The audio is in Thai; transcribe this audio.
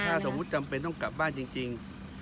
ถ้าสมมุติจำเป็นต้องกลับบ้านจริง